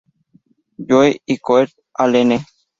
Joe y Coeur d'Alene.